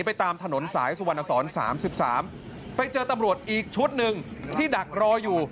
ไปตามถนนสายสุวรรณสอน๓๓ไปเจอตำรวจอีกชุดหนึ่งที่ดักรออยู่